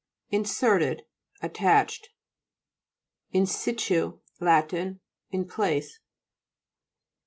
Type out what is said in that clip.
INSERTED Attached. IN SITU Lat. In place.